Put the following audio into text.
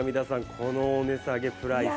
このお値下げプライス。